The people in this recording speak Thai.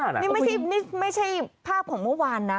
นี่ไม่ใช่ภาพของเมื่อวานนะ